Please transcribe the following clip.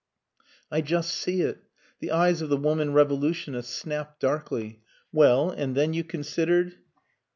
"I just see it!" The eyes of the woman revolutionist snapped darkly. "Well and then you considered...."